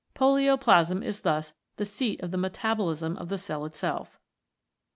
Polioplasm is thus the seat of the metabolism of the cell itself.